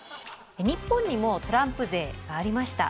日本にもトランプ税がありました。